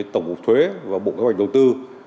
tổng hợp thuế và bộ kế hoạch đầu tư